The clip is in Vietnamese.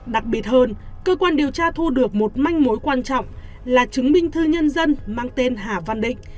đặc biệt hơn cơ quan điều tra thu được một manh mối quan trọng là chứng minh thư nhân dân mang tên hà văn định